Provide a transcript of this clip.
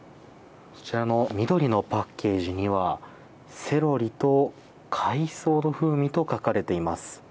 こちらの緑のパッケージにはセロリと海藻の風味と書かれています。